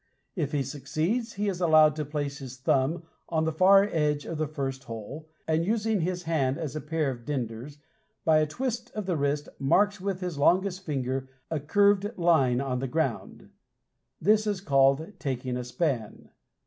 If he succeeds, he is allowed to place his thumb on the far edge of the first hole, and using his hand as a pair of dinders, by a twist of the wrist he marks with his longest finger a curved line on the ground. This is called "taking a span."